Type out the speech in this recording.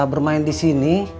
bermain di sini